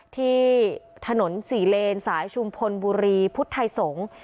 ที่ถนนสี่เลนสายชุมพลบุรีพุทธไทยสงศ์